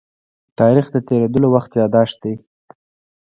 تاریخ د تېرېدلو وخت يادښت دی.